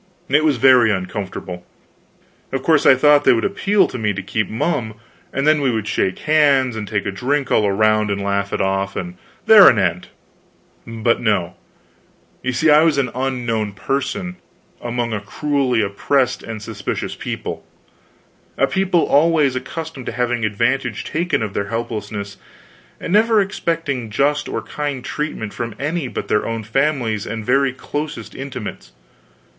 It was very uncomfortable. Of course, I thought they would appeal to me to keep mum, and then we would shake hands, and take a drink all round, and laugh it off, and there an end. But no; you see I was an unknown person, among a cruelly oppressed and suspicious people, a people always accustomed to having advantage taken of their helplessness, and never expecting just or kind treatment from any but their own families and very closest intimates.